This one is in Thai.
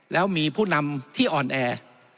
แล้วมีผู้นำที่อ่อนแอ